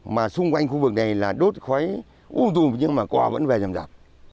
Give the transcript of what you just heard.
mà xung quanh khu vực này là đốt khói uông dùm nhưng mà cò vẫn về dầm dạp